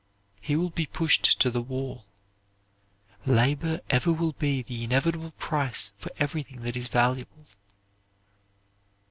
He will be pushed to the wall. Labor ever will be the inevitable price for everything that is valuable.